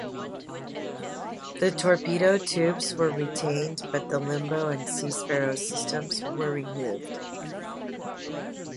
The torpedo tubes were retained, but the Limbo and Sea Sparrow systems were removed.